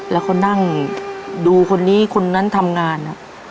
แล้วเขานั่งดูคนนี้คนนั้นทำงาน